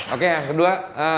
oke yang kedua